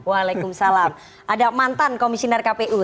waalaikumsalam ada mantan komisioner kpu